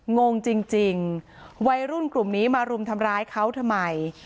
งงจริงวัยรุ่นกลุ่มนี้มารุมทำร้ายเขาทำไม